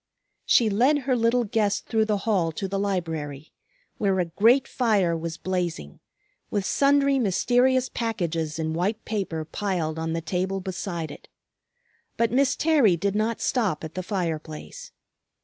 She led her little guest through the hall to the library, where a great fire was blazing, with sundry mysterious packages in white paper piled on the table beside it. But Miss Terry did not stop at the fire place.